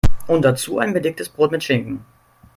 Und dazu ein belegtes Brot mit Schinken.